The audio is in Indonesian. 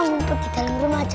mumput di dalam rumah aja